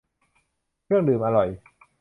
เครื่องดื่มอร่อย